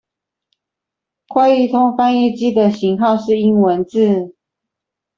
快譯通翻譯機的型號是英文字